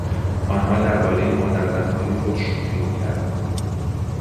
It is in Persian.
آنها دربارهی مادرزنهای خود شوخی میکردند.